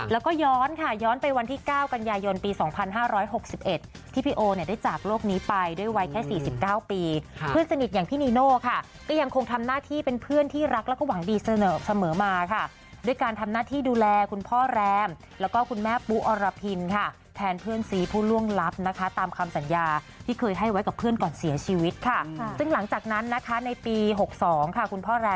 แล้วก็ย้อนค่ะย้อนไปวันที่๙กันยายนปี๒๕๖๑ที่พี่โอเนี่ยได้จากโลกนี้ไปด้วยวัยแค่๔๙ปีเพื่อนสนิทอย่างพี่นีโน่ค่ะก็ยังคงทำหน้าที่เป็นเพื่อนที่รักแล้วก็หวังดีเสมอมาค่ะด้วยการทำหน้าที่ดูแลคุณพ่อแรมแล้วก็คุณแม่ปุ๊อรพินค่ะแทนเพื่อนซีผู้ล่วงลับนะคะตามคำสัญญาที่เคยให้ไว้กับเพื่อนก่อนเสียชีวิตค่ะซึ่งหลังจากนั้นนะคะในปี๖๒ค่ะคุณพ่อแ